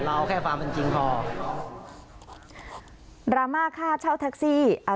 เราเอาแค่ฟาร์มเป็นจริงพอดราม่าค่าเช่าทักซี่อ่า